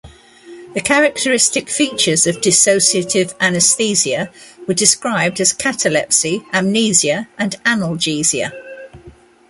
The characteristic features of dissociative anesthesia were described as catalepsy, amnesia and analgesia.